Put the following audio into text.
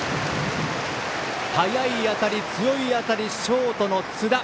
速い当たり、強い当たりショートの津田。